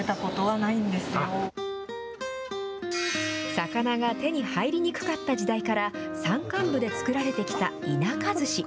魚が手に入りにくかった時代から、山間部で作られてきた田舎ずし。